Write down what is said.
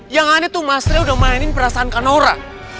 yang aneh tuh mas re udah mainin perasaan kak nora